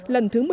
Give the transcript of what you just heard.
lần thứ mưu